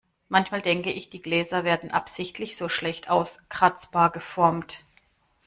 Manchmal denke ich, die Gläser werden absichtlich so schlecht auskratzbar geformt.